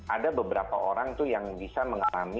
ada beberapa orang tuh yang bisa mengalami